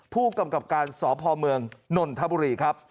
ผู้กำกับการสพนนทบุรี